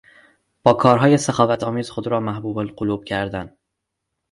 با کارهای سخاوت آمیز خود را محبوب القلوب کردن